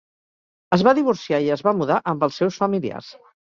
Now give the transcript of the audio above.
Es va divorciar i es va mudar amb els seus familiars.